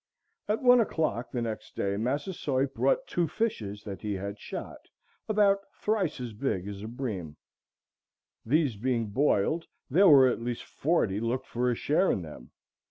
At one o'clock the next day Massasoit "brought two fishes that he had shot," about thrice as big as a bream; "these being boiled, there were at least forty looked for a share in them.